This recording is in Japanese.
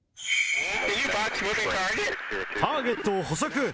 ターゲットを捕捉！